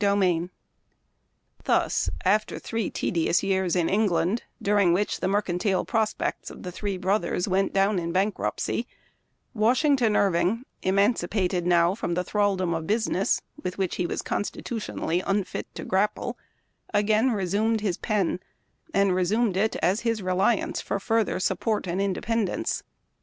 r I ^HUS, after three tedious years in England, * during which the mercantile prospects of the three brothers went down in bankruptcy, Washington Irving, emancipated now from the thraldom of business, with which he was constitu tionally unfit to grapple, again resumed his pen, and resumed it as his reliance for further sup port and independence.